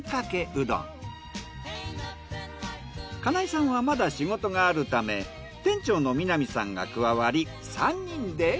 金井さんはまだ仕事があるため店長の南さんが加わり３人で。